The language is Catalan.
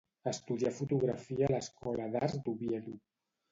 Estudià fotografia a l'Escola d'Arts d'Oviedo.